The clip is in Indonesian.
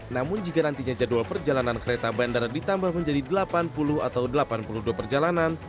namun jika nantinya jadwal perjalanan kereta bandara ditambah menjadi delapan puluh atau delapan puluh dua perjalanan